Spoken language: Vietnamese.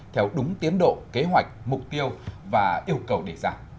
theo đúng tiến độ kế hoạch mục tiêu và yêu cầu đề ra